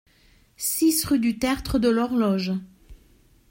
six rue du Tertre de l'Horloge